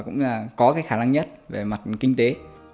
cũng có cái khả năng nhất về mặt kinh tế